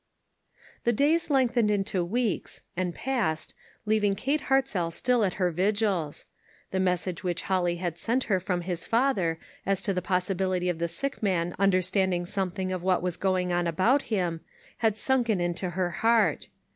The days lengthened into weeks, and passed, leaving Kate Hartzell still at her vigils. The message which Holly had sent her from his father as to the possibility of the sick man understanding something of what was going on about him, had sunken into her heart.